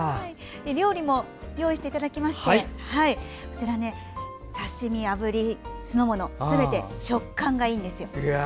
料理も用意していただきまして刺身、あぶり、酢の物すべて食感がいいんです。